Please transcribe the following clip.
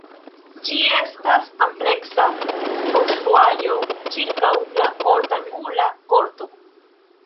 Ĝi estas ampleksa konstruaĵo ĉirkaŭ la ort-angula korto.